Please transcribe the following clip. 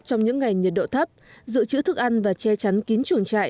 trong những ngày nhiệt độ thấp giữ chữ thức ăn và che chắn kín chuồng chạy